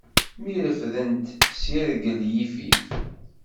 Mi refdent s yirgel yifif.